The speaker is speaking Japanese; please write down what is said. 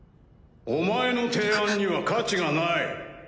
お前の提案には価値がない。